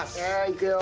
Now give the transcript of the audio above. いくよ